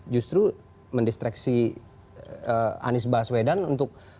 justru mendistraksi anies baswedan untuk lebih fokus kepada program programnya ini